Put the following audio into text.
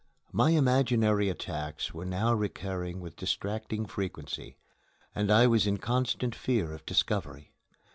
My imaginary attacks were now recurring with distracting frequency, and I was in constant fear of discovery.